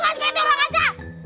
gansi itu orang aja